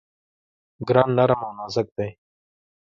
ګلان نرم او نازک دي.